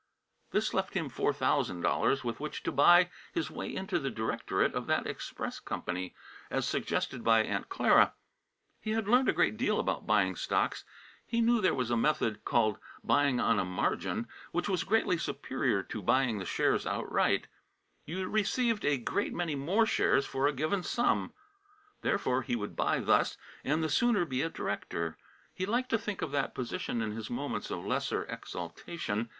This left him four thousand dollars with which to buy his way into the directorate of that express company, as suggested by Aunt Clara. He had learned a great deal about buying stocks. He knew there was a method called "buying on a margin" which was greatly superior to buying the shares outright: you received a great many more shares for a given sum. Therefore he would buy thus, and the sooner be a director. He liked to think of that position in his moments of lesser exaltation.